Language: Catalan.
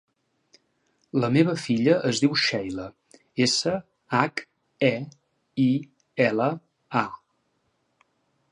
La meva filla es diu Sheila: essa, hac, e, i, ela, a.